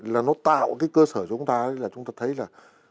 là nó tạo cái cơ sở chúng ta là chúng ta thấy là